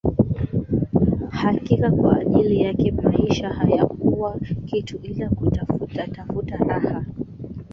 Hakika kwa ajili yake maisha hayakuwa kitu ila kutafuta tafuta raha